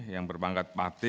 yang berbangkat parti